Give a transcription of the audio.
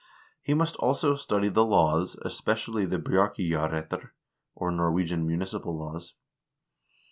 He must also study the laws, especially the " Bjarkeyjarrettr," or Norwegian municipal laws.